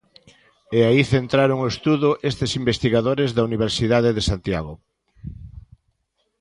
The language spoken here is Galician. E aí centraron o estudo estes investigadores da Universidade de Santiago.